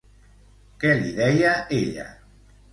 Què li deia ella?